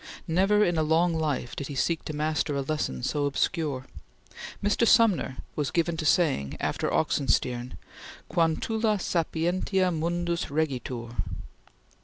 Never in a long life did he seek to master a lesson so obscure. Mr. Sumner was given to saying after Oxenstiern: "Quantula sapientia mundus regitur!"